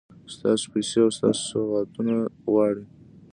ستاسو پیسې او ستاسو سوغاتونه غواړي.